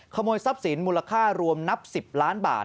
ขโมยทรัพย์สินมูลค่ารวมนับ๑๐ล้านบาท